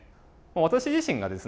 私自身がですね